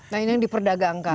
nah ini yang diperdagangkan